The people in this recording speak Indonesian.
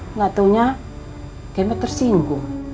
enggak taunya kemet tersinggung